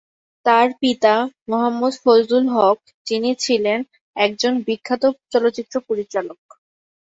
তার পিতা মো: ফজলুল হক; যিনি একজন বিখ্যাত চলচ্চিত্র পরিচালক ছিলেন।